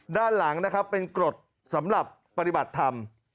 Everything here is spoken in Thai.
ด้านหลังนะครับเป็นกรดสำหรับปฏิบัติธรรม